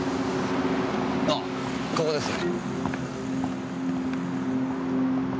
あっここです。